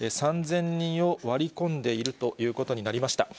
３０００人を割り込んでいるということになりました。